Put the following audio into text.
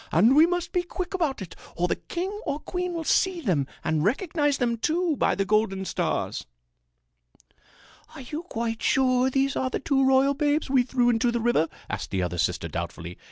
"And we must be quick about it or the king or queen will see them and recognize them, too, by the golden stars." "Are you quite sure these are the two royal babes we threw into the river?" asked the other sister doubtfully.